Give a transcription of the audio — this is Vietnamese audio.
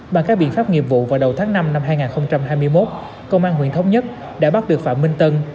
bằng các biện pháp nghiệp vụ vào đầu tháng năm năm hai nghìn hai mươi một công an huyện thống nhất đã bắt được phạm minh tân